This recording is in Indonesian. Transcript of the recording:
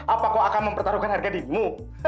apaku akan mempertaruhkan harga dimu